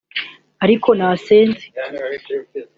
Ariko nasenze